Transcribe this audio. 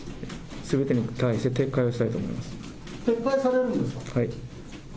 すべてに関して撤回をしたいと思います。